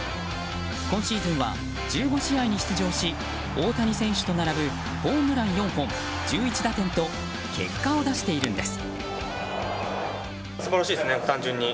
今シーズンは１５試合に出場し大谷選手と並ぶホームラン４本、１１打点と結果を出しているんです。